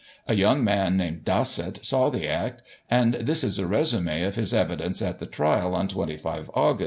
A young man named Dassett saw the act, and this is a resume of his evidence at the trial on 25 Aug.